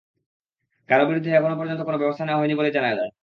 কারও বিরুদ্ধেও এখন পর্যন্ত কোনো ব্যবস্থা নেওয়া হয়নি বলেই জানা যায়।